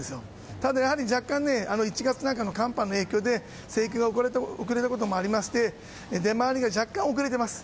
ただ若干、１月なんかの寒波の影響で生育が遅れたこともありまして出回りが若干遅れています。